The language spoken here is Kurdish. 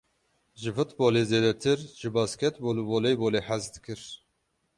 Ji futbolê zêdetir, ji bastekbol û voleybolê hez dikir.